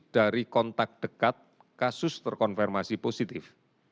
dari kontak dekat kasus terkonfirmasi positif